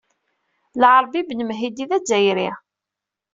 Larbi Ben M hidi d Azzayri.